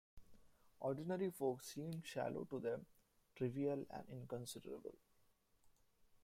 Ordinary folk seemed shallow to them, trivial and inconsiderable.